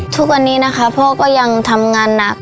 ทุกวันนี้นะคะพ่อก็ยังทำงานหนัก